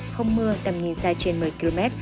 không mưa tầm nhìn xa trên một mươi km